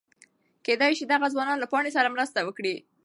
کېدی شي دغه ځوان له پاڼې سره مرسته وکړي.